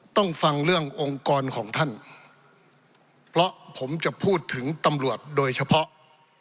ฟังเรื่ององค์กรของท่านเพราะผมจะพูดถึงตำรวจโดยเฉพาะ